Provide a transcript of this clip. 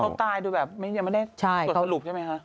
เขาตายโดยแบบยังไม่ได้บทสรุปใช่ไหมคะ